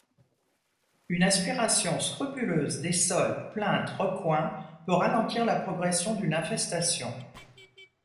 Une aspiration scrupuleuse des sols, plinthes, recoins peut ralentir la progression d'une infestation.